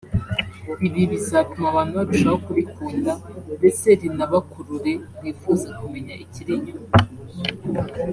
ibi bizatuma abantu barushaho kurikunda ndetse rinabakurure bifuze kumenya ikiri inyuma